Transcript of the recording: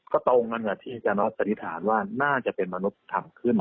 ก็ตรงตะทิจารันต์อธิษฐานว่าน่าจะเป็นมานุษย์ทังขึ้น